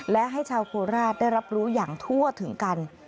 และให้ชาวโคราชได้รับรู้อย่างทั่วถึงกัน